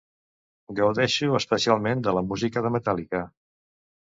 Gaudeixo especialment de la música de Metallica.